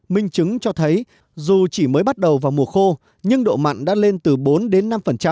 minh chứng cho thấy dù chỉ mới bắt đầu vào mùa khô nhưng độ mặn đã lên từ bốn đến năm